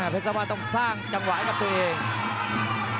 เพชรสร้างบ้านต้องสร้างจังหวายจังหวายกับตัวเอง